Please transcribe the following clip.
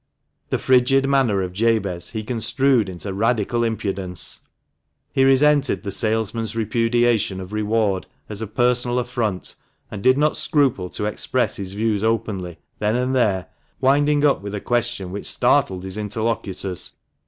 The frigid manner of Jabez he construed into Radical impudence ; he resented the salesman's repudiation of reward as a personal affront, and did not scruple to express his 282 THE MANCHESTER MAN. views openly, then and there, winding up with a question which startled his interlocutors.